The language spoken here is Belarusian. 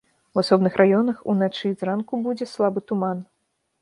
У асобных раёнах уначы і зранку будзе слабы туман.